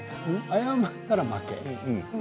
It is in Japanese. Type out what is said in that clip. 謝ったら負け。